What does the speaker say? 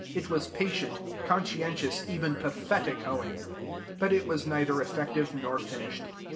It was patient, conscientious, even pathetic hoeing; but it was neither effective nor finished.